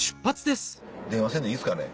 電話せんでいいですかね。